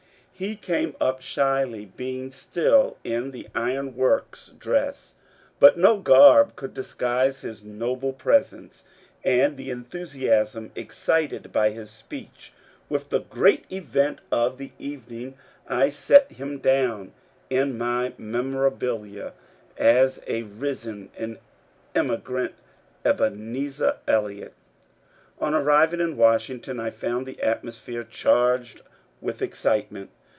He came up shyly, being still in the iron works dress, but no garb could disguise his noble presence, and the enthusiasm excited by his speech was the great event of the evening. I set him down in my memorabilia as a risen and immigrant Ebenezer Elliot. On arriving in Washington I found the atmosphere charged with excitement.